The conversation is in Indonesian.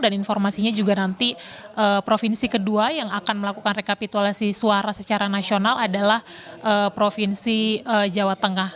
dan informasinya juga nanti provinsi kedua yang akan melakukan rekapitulasi suara secara nasional adalah provinsi jawa tengah